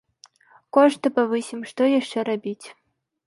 Кошты павысім, што яшчэ рабіць.